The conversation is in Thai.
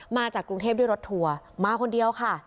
มาจากกรุงเทพด้วยรถทัวร์มาคนเดียวค่ะ